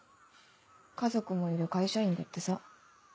家族もいる会社員だってさ。